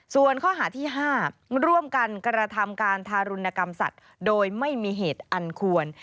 ส่วนข้อหาที่๕ร่วมกันกระทำการทารุณกรรมสัตว์โดยไม่มีเหตุอันควร